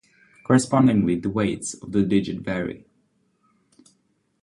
Correspondingly the weights of the digits vary.